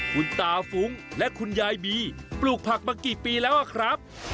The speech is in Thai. คุณตาฟุ้งและคุณยายบีปลูกผักมากี่ปีแล้วอะครับ